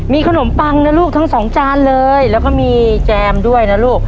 มีขนมปังนะลูกทั้งสองจานเลยแล้วก็มีแจมด้วยนะลูก